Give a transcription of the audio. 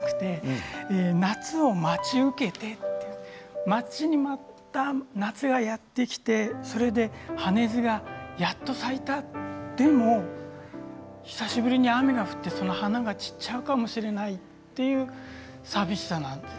夏まけてというのは夏に負けるというわけではなくて夏を待ち受けてという待ちに待った夏がやってきて、それでハネズがやっと咲いたでも、久しぶりに雨が降ってその花が散ってしまうかもしれないという寂しさなんです。